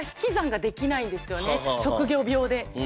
職業病で。